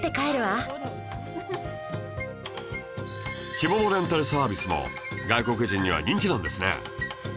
着物レンタルサービスも外国人には人気なんですね